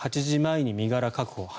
８時前に身柄確保。